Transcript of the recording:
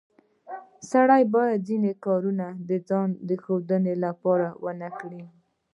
سړی باید ځینې کارونه د ځان ښودلو لپاره ونه کړي